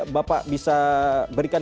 bapak bisa berikan